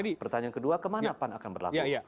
dan pertanyaan kedua kemana pan akan berlaku